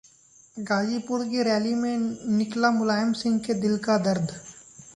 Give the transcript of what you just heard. गाजीपुर की रैली में निकला मुलायम सिंह के दिल का दर्द